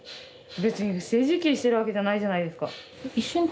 別に不正受給してるわけじゃないじゃないですか。